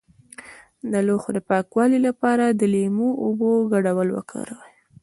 د لوښو د پاکوالي لپاره د لیمو او اوبو ګډول وکاروئ